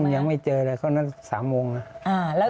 ยังไม่เจอเลยเขานั้น๓โมงแล้ว